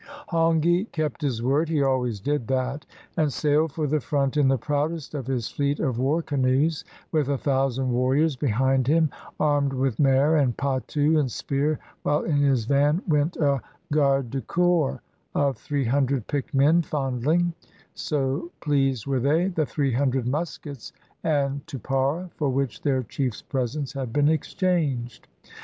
Soo THE MISSIONARY AND THE CANNIBALS Hongi kept his word — he always did that — and sailed for the front in the proudest of his fleet of war canoes, with a thousand warriors behind him, armed with mere and patu and spear, while in his van went a garde de corps of three hundred picked men, fondling — so pleased were they — the three hundred muskets and tupara for which their chief's presents had been exchanged.